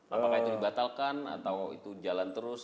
apakah itu dibatalkan atau itu jalan terus